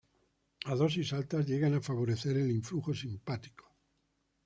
A dosis altas, llegan a favorecer el influjo simpático.